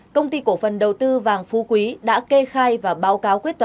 công ty cổ phần đầu tư vàng phú quý đã kê khai và báo cáo quyết toán